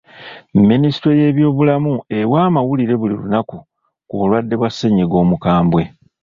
Minisitule y'ebyobulamu ewa amawulire buli lunaku ku balwadde ba ssennyiga omukambwe.